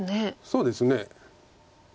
そうですね。